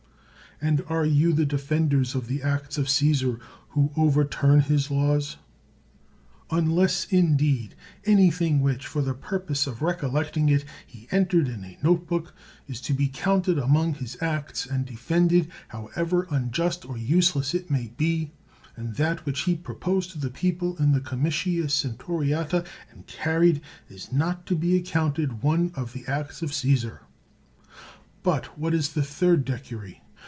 And are you the defenders of the acts of Caesar who over turn his laws? Unless, indeed, anything which, for the purpose of recollecting it, he entered in a note book, is to be counted among his acts, and defended, however unjust or useless it may be; and that which he proposed to the people in the comitia centuriata and carried, is not to be accounted one of the acts of Caesar. But what is that third decury?